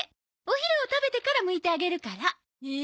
お昼を食べてからむいてあげるから。え？